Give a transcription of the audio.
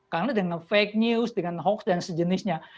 karena dengan fake news dengan hoax dan sejenisnya